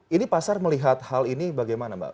ini pasar melihat hal ini bagaimana mbak